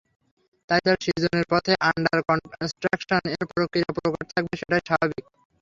তাই তাঁর সৃজনের পথে আন্ডার কনস্ট্রাকশন-এর প্রক্রিয়া প্রকট থাকবে, সেটাই স্বাভাবিক।